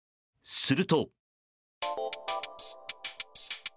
すると。